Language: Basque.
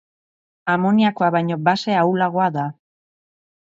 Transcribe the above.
Amoniakoa baino base ahulagoa da.